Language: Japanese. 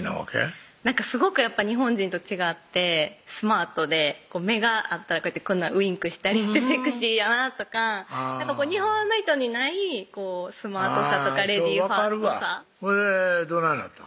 すごく日本人と違ってスマートで目が合ったらこうやってこんなウインクしたりしてセクシーやなとか日本の人にないスマートさとかレディーファーストさほいでどないなったん？